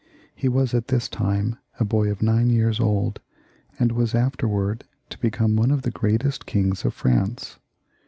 He was at this time a boy of nine years old, and was afterwards to become one of the greatest kings of France.